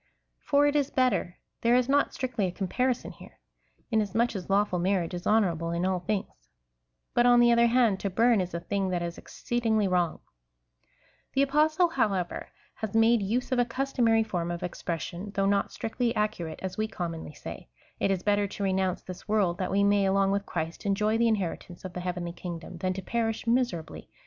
For it is better. There is not strictly a comparison here, inasmuch as lawful m,arriage is honourable in all things, (Heb. xiii. 4,) but, on the other hand, to burn is a thing that is ex ceedingly wrong. The Apostle, however, has made use of a customary form of expression, though not strictly accurate, as we commonly say :" It is better to renounce this world, that we may, along with Christ, enjoy the inheritance of the heavenly kingdom, than to perish miserably in carnal de *" Entre ceux qui n'estoyent point mariez ;"—" Among those that were immarried."